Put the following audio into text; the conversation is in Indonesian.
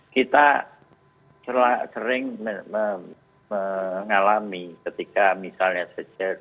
kita sering mengalami ketika misalnya sejak